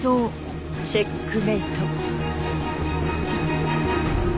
チェックメイト